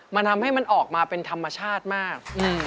มันทำให้มันออกมาเป็นธรรมชาติมาก